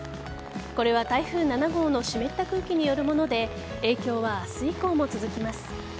これは台風７号の湿った空気によるもので影響は明日以降も続きます。